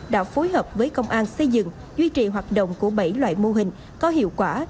đã phối hợp với công an xây dựng duy trì hoạt động của bảy loại mô hình có hiệu quả